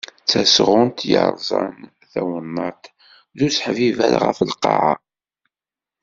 D tasɣunt yerzan tawennaṭ d useḥbiber ɣef Lqaɛa.